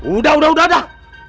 udah udah udah